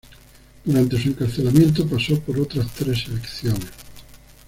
Durante su encarcelamiento, pasó por otras tres selecciones.